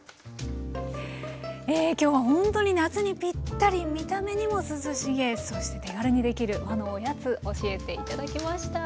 今日はほんとに夏にピッタリ見た目にも涼しげそして手軽にできる和のおやつ教えて頂きました。